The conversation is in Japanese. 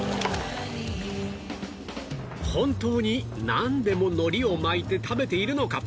本当になんでも海苔を巻いて食べているのか？